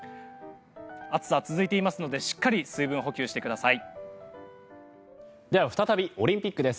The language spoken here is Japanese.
暑さ、続いていますでしっかり水分補給してください。